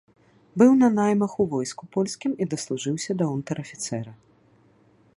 Быў на наймах у войску польскім і даслужыўся да унтэр-афіцэра.